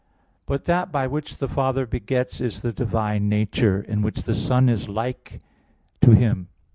But that by which the Father begets is the divine nature, in which the Son is like to Him.